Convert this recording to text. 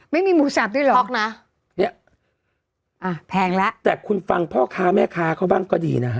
ไม่มีหมูสับด้วยหรออ่ะแพงละแต่คุณฟังพ่อค้าแม่ค้าเขาบ้างก็ดีนะฮะ